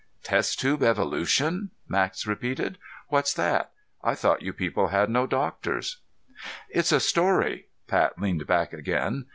"Test tube evolution?" Max repeated. "What's that? I thought you people had no doctors." "It's a story." Pat leaned back again.